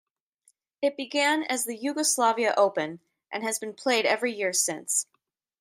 It began as the Yugoslavia Open and has been played every year since.